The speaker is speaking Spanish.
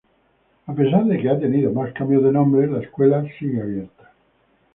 A pesar de que ha tenido más cambios de nombre, la escuela sigue abierta.